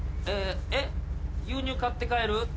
えっ牛乳買って帰る？